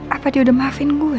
apa dia udah maafin gue